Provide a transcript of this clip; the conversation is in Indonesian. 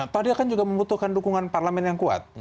pak dia kan juga membutuhkan dukungan parlemen yang kuat